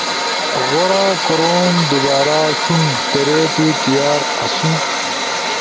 غورا کوروم دوبارا ݜون کرے تو تیار اسو